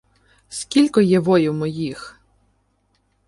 — Скілько є воїв моїх?